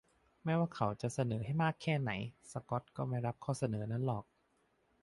ไม่ว่าเขาจะเสนอให้มากแค่ไหน สกอตก็ไม่รับข้อเสนอนั่นหรอก